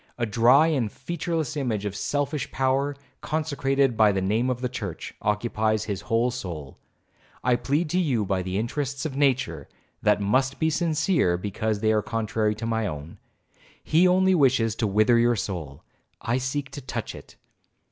A dry and featureless image of selfish power, consecrated by the name of the church, occupies his whole soul,—I plead to you by the interests of nature, that must be sincere, because they are contrary to my own. He only wishes to wither your soul,—I seek to touch it.